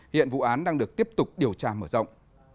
hiện vụ án đang được tiếp tục điều tra mở rộng